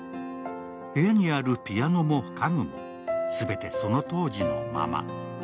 部屋にあるピアノも家具も全てその当時のまま。